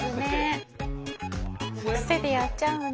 癖でやっちゃうんだ。